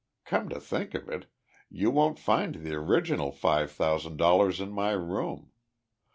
Come to think of it, you won't find the original five thousand dollars in my room.